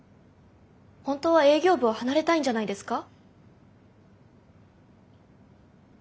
本当は営業部を離れたいんじゃないですか？